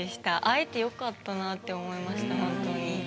会えてよかったなって思いましたほんとに。